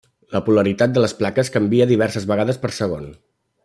La polaritat de les plaques canvia diverses vegades per segon.